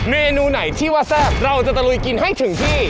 เมนูไหนที่ว่าแซ่บเราจะตะลุยกินให้ถึงที่